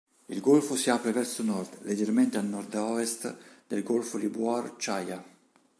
Il golfo si apre verso nord, leggermente a nordovest del golfo di Buor-Chaja.